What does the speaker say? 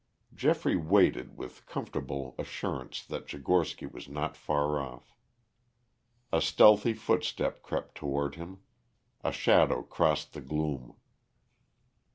Geoffrey waited with comfortable assurance that Tchigorsky was not far off. A stealthy footstep crept toward him; a shadow crossed the gloom.